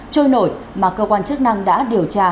trôi nổi mà cơ quan chức năng đã điều tra